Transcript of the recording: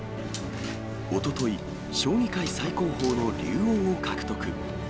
おととい、将棋界最高峰の竜王を獲得。